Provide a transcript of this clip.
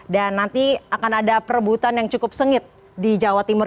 dan nanti akan ada perebutan yang cukup sengit di jawa timur